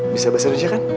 bisa bebas raja kan